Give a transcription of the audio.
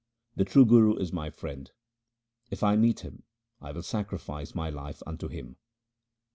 The true Guru is my friend ; if I meet him I will sacrifice my life unto him.